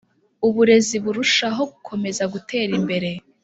Uburezi burushaho gukomeza gutera imbere.